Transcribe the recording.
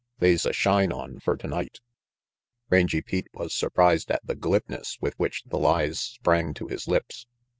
They's a shine on fer tonight." Rangy Pete was surprised at the glibness with 40 RANGY PETE which the lies sprang to his lips.